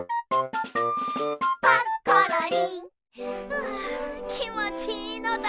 うわきもちいいのだ。